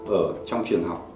ở trong trường học